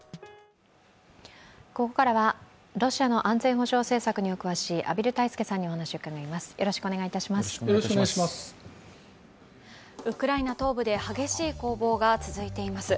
ここからは、ロシアの安全保障政策に詳しい畔蒜泰助さんにお話を伺います。